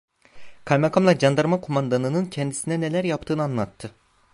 Kaymakamla candarma kumandanının kendisine neler yaptığını anlattı.